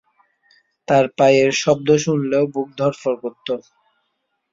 তার পায়ের শব্দ শুনলেও বুক ধড়ফড় করত।